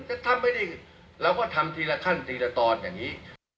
จะทำให้ดีเราก็ทำทีละขั้นทีละตอนอย่างงี้